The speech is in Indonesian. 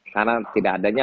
karena tidak adanya